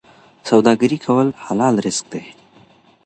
سوداګري کول حلال رزق دی.